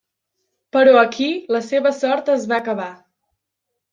Però aquí la seva sort es va acabar.